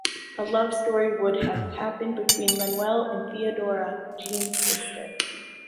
A love story would have happened between Manuel and Théodora, Jean’s sister.